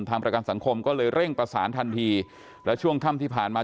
ประกันสังคมก็เลยเร่งประสานทันทีและช่วงค่ำที่ผ่านมา